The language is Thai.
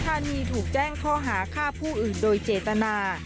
ธานีถูกแจ้งข้อหาฆ่าผู้อื่นโดยเจตนา